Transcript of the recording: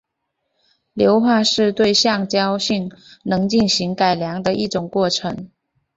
硫化是对橡胶性能进行改良的一种过程。